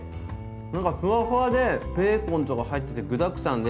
なんかふわふわでベーコンとか入ってて具だくさんで。